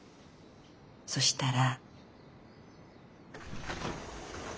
そしたら。